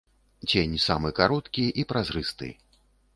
Цень самы кароткі і празрысты.